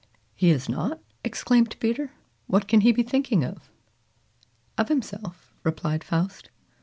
"He has not!" exclaimed Peter. "What can he be thinking of?" "Of himself," replied Faust.